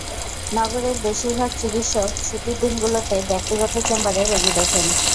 নগরের বেশির ভাগ চিকিৎসক ছুটির দিনগুলোতে ব্যক্তিগত চেম্বারে রোগী দেখেন না।